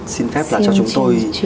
xin phép là cho chúng tôi